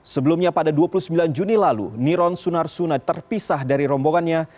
sebelumnya pada dua puluh sembilan juni lalu niron sunarsuna terpisah dari rombongannya